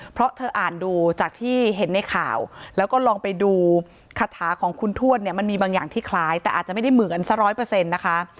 เพราะเธออ่านดูจากที่เห็นในข่าวแล้วก็ลองไปดูคาถาของคุณทวดเนี่ยมันมีบางอย่างที่คล้ายแต่อาจจะไม่ได้เหมือนสักร้อยเปอร์เซ็นต์นะคะ